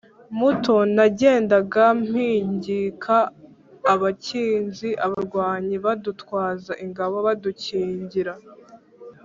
muto, nagendaga mpigika abakinzi, abarwanyi badutwaza ingabo, badukingira